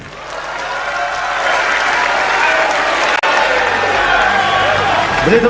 wassalamu'alaikum warahmatullahi wabarakatuh